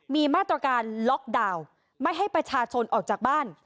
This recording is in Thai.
มีมาตรการล็อกดาวน์ไม่ให้ประชาชนออกจากบ้าน